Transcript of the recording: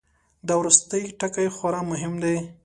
دا وروستی ټکی خورا مهم دی.